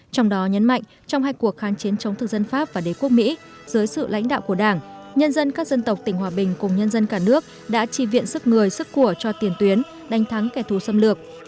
trong đó nhấn mạnh trong hai cuộc kháng chiến chống thực dân pháp và đế quốc mỹ dưới sự lãnh đạo của đảng nhân dân các dân tộc tỉnh hòa bình cùng nhân dân cả nước đã tri viện sức người sức của cho tiền tuyến đánh thắng kẻ thù xâm lược